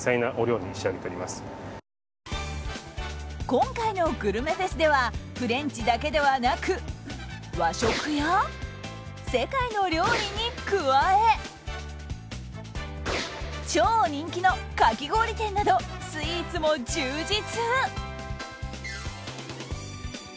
今回のグルメフェスではフレンチだけではなく和食や世界の料理に加え超人気のカキ氷店などスイーツも充実。